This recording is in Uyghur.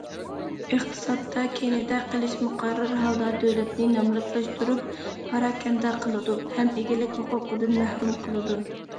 ئىقتىسادتا كەينىدە قېلىش مۇقەررەر ھالدا دۆلەتنى نامراتلاشتۇرۇپ، پاراكەندە قىلىدۇ ھەم ئىگىلىك ھوقۇقىدىن مەھرۇم قىلىدۇ.